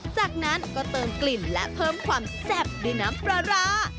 จากนั้นก็เติมกลิ่นและเพิ่มความแซ่บด้วยน้ำปลาร้า